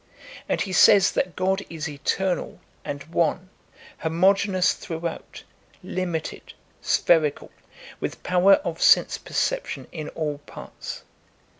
And he says that god is eternal and one, homogeneous throughout, limited, spherical, with power of sense perception in all parts.